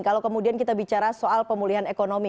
kalau kemudian kita bicara soal pemulihan ekonomi